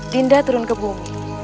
dinda turun ke bumi